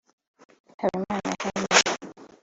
Habimana Henri